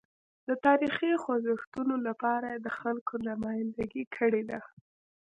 د تاریخي خوځښتونو لپاره یې د خلکو نمایندګي کړې ده.